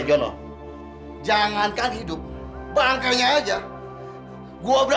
hei jono jangankan hidup bangkanya aja gue mau jual bini kau